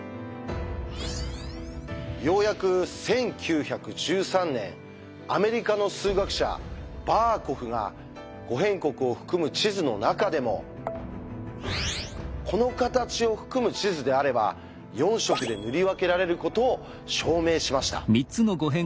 ようやく１９１３年アメリカの数学者バーコフが「五辺国」を含む地図の中でもこの形を含む地図であれば４色で塗り分けられることを証明しました。